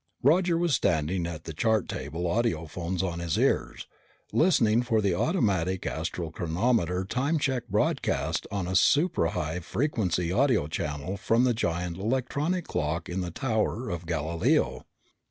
Roger was standing at the chart table, audiophones on his ears, listening for the automatic astral chronometer time check broadcast on a suprahigh frequency audio channel from the giant electronic clock in the Tower of Galileo.